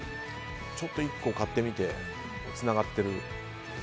ちょっと１個買ってみてつながってる。